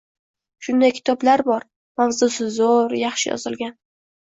Shunday kitoblar bor: mavzusi zo‘r, yaxshi yozilgan